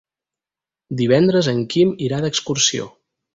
Divendres en Quim irà d'excursió.